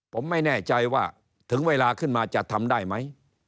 ผมไม่แน่ใจว่าถึงเวลาขึ้นมาจะทำได้ไหม